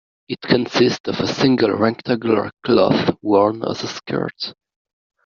It consists of a single rectangular cloth worn as a skirt.